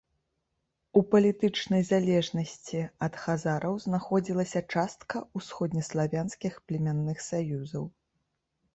У палітычнай залежнасці ад хазараў знаходзілася частка ўсходнеславянскіх племянных саюзаў.